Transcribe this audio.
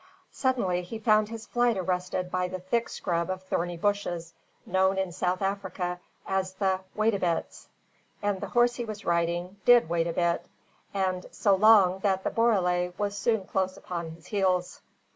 Suddenly he found his flight arrested by the thick scrub of thorny bushes, known in South Africa as the "wait a bits", and the horse he was riding did wait a bit, and so long that the borele was soon close upon his heels.